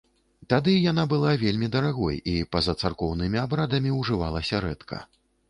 Тады яна была вельмі дарагой і па-за царкоўнымі абрадамі ўжывалася рэдка.